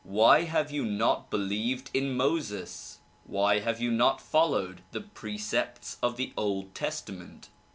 Why have you not believed in Moses? Why have you not followed the precepts of the old testament?